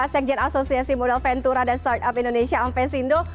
sekjen asosiasi modal ventura dan startup indonesia ampesindo